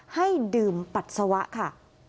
ให้ดื่มปัสสาวะค่ะ